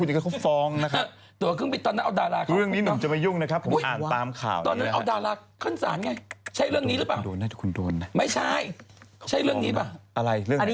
จากโรงเรียนโรงเรียนที่วุฒิกับไอ้แจ๊คไปขึ้นศาล